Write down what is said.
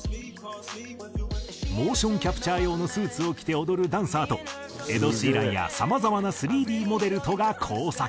モーションキャプチャ用のスーツを着て踊るダンサーとエド・シーランやさまざまな３Ｄモデルとが交錯。